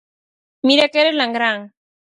Mira que eres langrán!